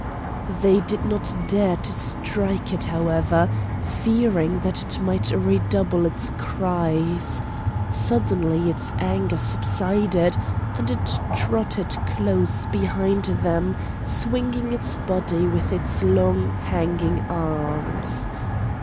They did not dare to strike it, however, fearing that it might redouble its cries; suddenly its anger subsided, and it trotted close beside them swinging its body with its long hanging arms.